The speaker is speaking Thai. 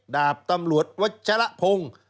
ดาบตำรวจวัชละพงศ์